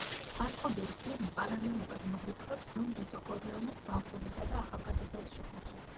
აწყობილ ფილმი პარალელურად მოგვითხრობს დონ ვიტო კორლეონეს ბავშვობისა და ახალგაზრდობის შესახებ.